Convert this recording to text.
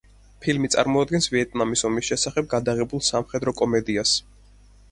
ფილმი წარმოადგენს ვიეტნამის ომის შესახებ გადაღებულ სამხედრო კომედიას.